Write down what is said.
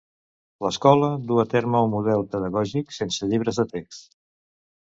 L'escola duu a terme un model pedagògic sense llibres de text.